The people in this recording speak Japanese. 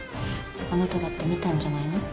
あなただって見たんじゃないの？